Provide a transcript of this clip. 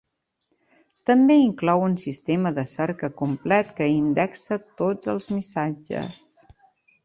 També inclou un sistema de cerca complet que indexa tots els missatges.